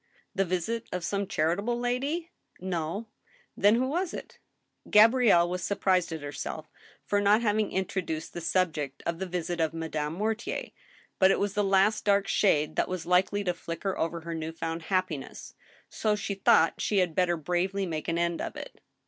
" The visit of some charitable lady ?"" No." " Then, who was it ?" Gabrielle was surprised at herself for having introduced the sub , ject of the visit of Madame Mortier, but it was the last dark shade that was likely to flicker over her new found happiness, so she thought she had better bravely make an end of it.